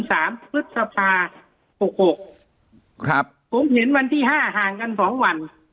สามพฤษภาหกหกครับผมเห็นวันที่ห้าห่างกันสองวัน